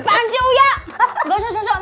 apaan sih uya gak sesuai